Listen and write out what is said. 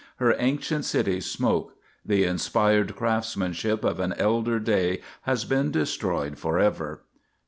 Her ancient cities smoke. The inspired craftsmanship of an elder day has been destroyed forever.